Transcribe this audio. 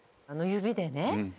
あの指でね